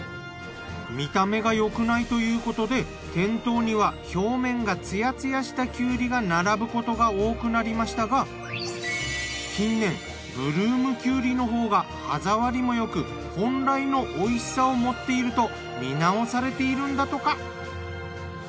見た目がよくないということで店頭には表面がツヤツヤしたきゅうりが並ぶことが多くなりましたが近年ブルームきゅうりのほうが歯ざわりもよく本来のおいしさを持っていると見直されているんだとか。